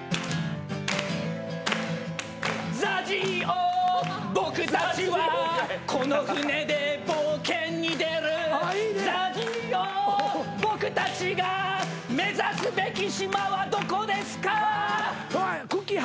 「ＺＡＺＹ王僕たちはこの船で冒険に出る」「ＺＡＺＹ王僕たちが目指すべき島はどこですか？」くっきー！